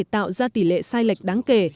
tạo ra tỉ lệ sai lệch đáng kể